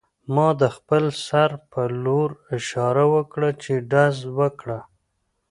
ما د خپل سر په لور اشاره وکړه چې ډز وکړه